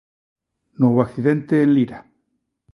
Novo accidente en Lira.